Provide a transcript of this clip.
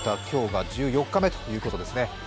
今日が１４日目ということですね。